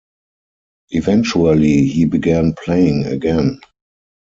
Eventually he began playing again.